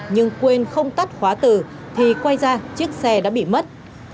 nhưng quên không tắt khóa từ thì quay ra chiếc xe đã bị mất